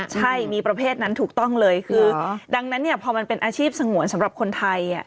ใช่มีประเภทนั้นถูกต้องเลยคือดังนั้นเนี่ยพอมันเป็นอาชีพสงวนสำหรับคนไทย